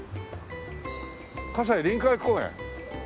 西臨海公園？